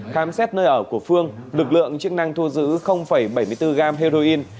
khám xét nơi ở của phương lực lượng chức năng thu giữ bảy mươi bốn gram heroin